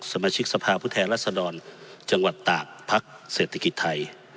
สมาชิกสภาพผู้แทนรัศดรจังหวัดตากพักเศรษฐกิจไทย